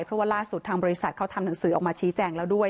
เพราะว่าล่าสุดทางบริษัทเขาทำหนังสือออกมาชี้แจงแล้วด้วย